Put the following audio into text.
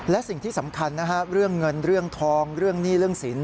และสิ่งที่สำคัญนะฮะเรื่องเงินเรื่องทองเรื่องหนี้เรื่องสิน